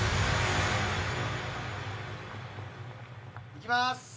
いきます。